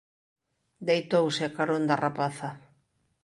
Deitouse a carón da rapaza.